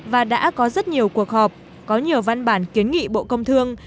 và đã có rất nhiều cuộc họp có nhiều văn bản kiến nghị bộ công thương